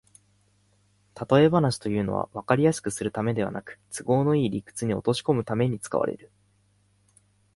たとえ話というのは、わかりやすくするためではなく、都合のいい理屈に落としこむために使われる